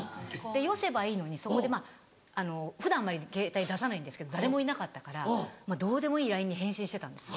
よせばいいのにそこでまぁ普段あんまりケータイ出さないんですけど誰もいなかったからどうでもいいＬＩＮＥに返信してたんです